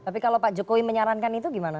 tapi kalau pak jokowi menyarankan itu gimana